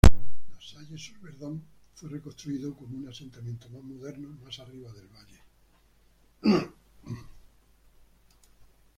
Las Salles-sur-Verdon fue reconstruido como un asentamiento más moderno más arriba del valle.